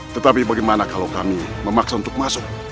tetapi bagaimana kalau kami memaksa untuk masuk